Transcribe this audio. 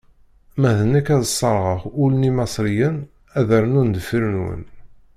Ma d nekk, ad sseɣreɣ ul n Imaṣriyen, ad d-rnun deffir-nwen.